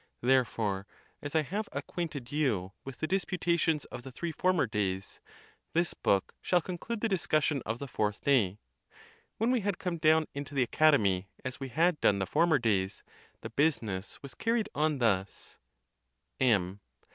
Therefore, as I have acquainted you with the dis putations of the three former days, this book shall con clude the discussion of the fourth day. When we had come down into the Academy, as we had done the former days, the business was carried on thus: M.